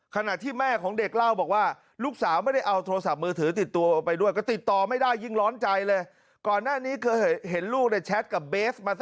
ขณะที่แม่ของเด็กเล่าบอกว่าลูกสาวไม่ได้เอาโทรศัพท์มือถือติดตัวออกไปด้วยก็ติดต่อไม่ได้ยิ่งร้อนใจเลยก่อนหน้านี้เคยเห็นลูกในแชทกับเบสมา